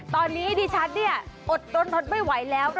ตอนนี้ดิฉันอดร้อนร้อนไม่ไหวแล้ว